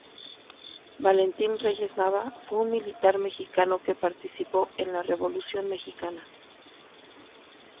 Valentín Reyes Nava fue un militar mexicano que participó en la Revolución mexicana.